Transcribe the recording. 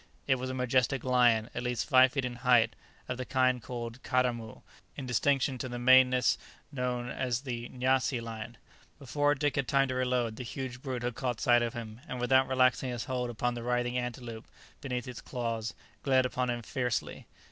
It was a majestic lion, at least five feet in height, of the kind called káramoo, in distinction to the maneless species known as the Nyassi lion. Before Dick had time to reload, the huge brute had caught sight of him, and without relaxing its hold upon the writhing antelope beneath its claws, glared upon him fiercely.